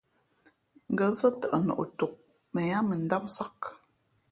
Ngα̌ zά tαʼ noʼ tok mα ǎ mʉndámsāk.